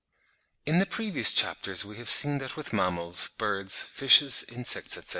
In the previous chapters we have seen that with mammals, birds, fishes, insects, etc.